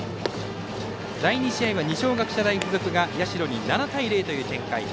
第２試合は二松学舎大付属が社に７対０という展開。